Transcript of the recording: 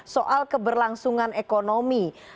soal keberlangsungan ekonomi